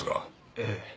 ええ。